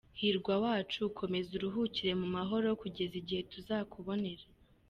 Hirwa wacu komeza uruhukire mu mahoro kugeza igihe tuzakubonera.